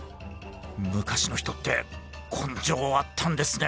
昔の人って根性あったんですね。